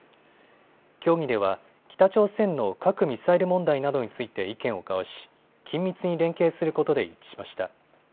協議では北朝鮮の核・ミサイル問題などについて意見を交わし緊密に連携することで一致しました。